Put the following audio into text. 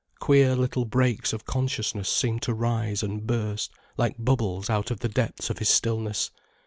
Queer little breaks of consciousness seemed to rise and burst like bubbles out of the depths of his stillness.